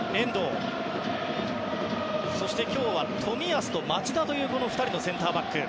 そして今日は冨安と町田という２人のセンターバック。